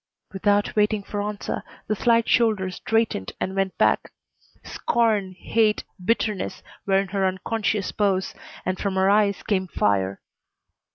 Without waiting for answer the slight shoulders straightened and went back. Scorn, hate, bitterness were in her unconscious pose, and from her eyes came fire.